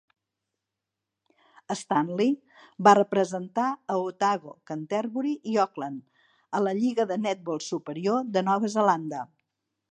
Stanley va representar a Otago, Canterbury i Auckland a la lliga de netbol superior de Nova Zelanda.